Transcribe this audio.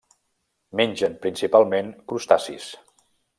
Mengen, principalment, crustacis.